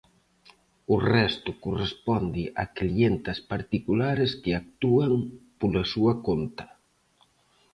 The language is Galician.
O resto corresponde a clientas particulares que actúan pola súa conta.